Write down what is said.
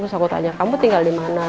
terus aku tanya kamu tinggal di mana